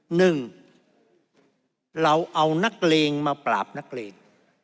หนึ่งเราเอานักเลงมาปราบนักเลง